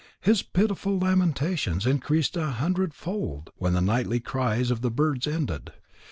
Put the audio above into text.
His pitiful lamentations increased a hundredfold, when the nightly cries of the birds ended.